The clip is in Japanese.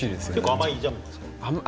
甘いジャムですか？